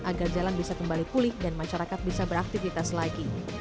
agar jalan bisa kembali pulih dan masyarakat bisa beraktivitas lagi